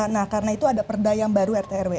nah karena itu ada perdayam baru rtrw